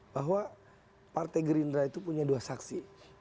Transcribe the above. bahwa partai gerindra itu punya dua saksi